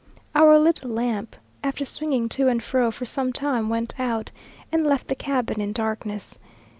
Our little lamp, after swinging to and fro for some time went out, and left the cabin in darkness.